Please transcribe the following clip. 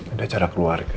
ada acara keluarga